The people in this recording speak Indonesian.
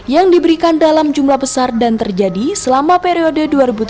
yang diberikan dalam jumlah besar dan terjadi selama periode dua ribu tujuh belas dua ribu dua